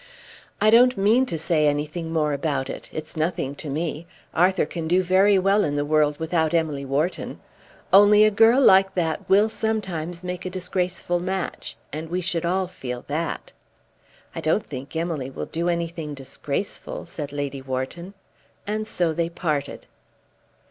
"I don't mean to say anything more about it. It's nothing to me. Arthur can do very well in the world without Emily Wharton. Only a girl like that will sometimes make a disgraceful match; and we should all feel that." "I don't think Emily will do anything disgraceful," said Lady Wharton. And so they parted.